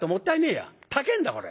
高えんだこれ。